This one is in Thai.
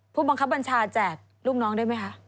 ผู้บังคับบัญชาแจกลูกน้องได้ไหมคะ